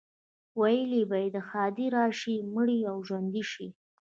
ویل به یې ښادي راشي، مړی او ژوندی شي.